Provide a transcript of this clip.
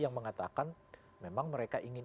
yang mengatakan memang mereka ingin